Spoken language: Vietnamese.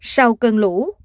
sau cơn lũ